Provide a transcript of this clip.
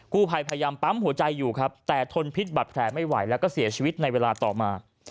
ผู้ภัยพยายามปั๊มหัวใจอยู่ครับแต่ทนพิษบัตรแผลไม่ไหวแล้วก็เสียชีวิตในเวลาต่อมา